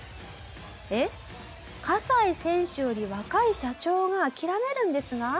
「えっ西選手より若い社長が諦めるんですか？」